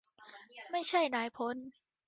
ไม่ใช่นายพล